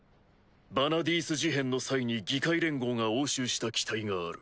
ヴァナディース事変の際に議会連合が押収した機体がある。